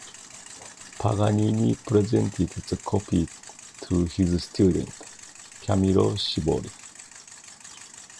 Paganini presented the copy to his student, Camillo Sivori.